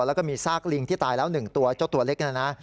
แล้วก็มีซากลิงที่ตายแล้ว๑ตัวเจ้าตัวเล็กนะนะ